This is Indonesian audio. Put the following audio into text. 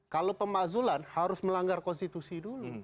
kalau pemakzulan harus melanggar konstitusi dulu